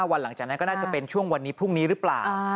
วันหลังจากนั้นก็น่าจะเป็นช่วงวันนี้พรุ่งนี้หรือเปล่า